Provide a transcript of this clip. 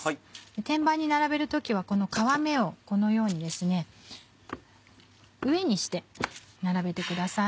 天板に並べる時はこの皮目をこのようにですね上にして並べてください。